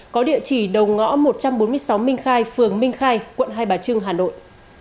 có địa chỉ đầu ngõ một trăm bốn mươi sáu minh khai phường minh khai quận hai bà trưng hà nội